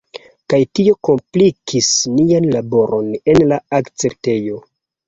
Kaj tio komplikis nian laboron en la akceptejo.